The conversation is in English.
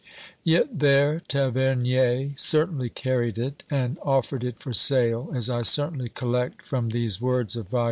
Yet there Tavernier certainly carried it, and offered it for sale, as I certainly collect from these words of vol.